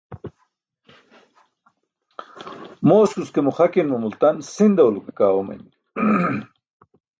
Mooskus ke muxakin mo multan sindaw lo ke kaa oomaymi.